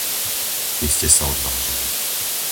Vy ste sa odvážili.